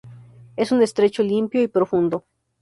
Es un estrecho limpio y profundo.